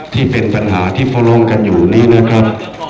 ที่เป็นปัญหาที่พอลงกันอยู่นี้นะครับ